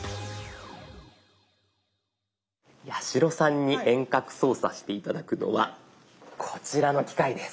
八代さんに遠隔操作して頂くのはこちらの機械です。